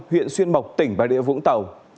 huyện xuyên mộc tỉnh bà rịa vũng tàu